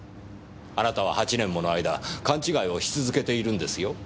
あなたは８年もの間勘違いをし続けているんですよ。